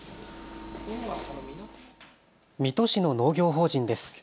水戸市の農業法人です。